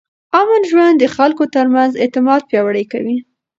امن ژوند د خلکو ترمنځ اعتماد پیاوړی کوي.